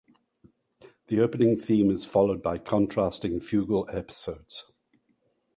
The opening theme is followed by contrasting fugal episodes.